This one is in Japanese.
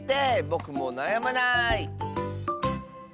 ぼくもうなやまない！